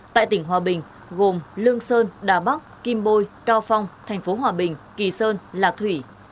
tại tỉnh hòa bình gồm lương sơn đà bắc kim bôi cao phong thành phố hòa bình kỳ sơn lạc thủy